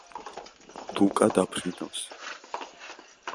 ლუკა დაფრინავს